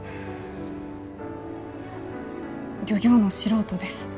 漁業の素人です。